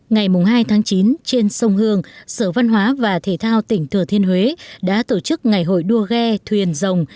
ngày hai tháng chín trên sông hương sở văn hóa và thể thao tỉnh thừa thiên huế đã tổ chức ngày hội đua ghe thuyền rồng